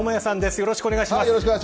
よろしくお願いします。